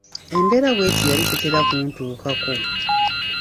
Embeera bw'eti yali tetera kuntuukako.